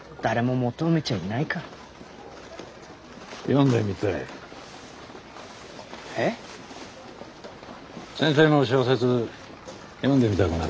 先生の小説読んでみたくなったよ。